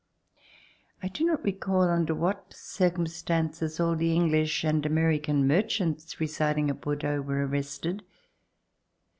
I do not recall under what circumstances all the English and American merchants residing at Bor deaux were arrested.